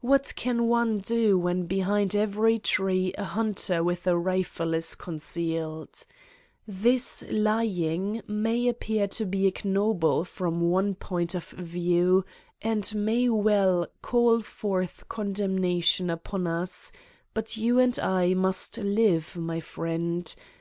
What can one do when behind every tree a hunter with a rifle is concealed! This lying may appear to be ignoble from one point of view and may well call forth condemnation upon us, but you and I must live, my friend.